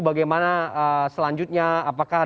bagaimana selanjutnya apakah